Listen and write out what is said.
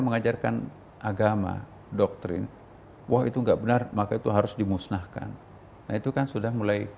mengajarkan agama doktrin wah itu enggak benar maka itu harus dimusnahkan nah itu kan sudah mulai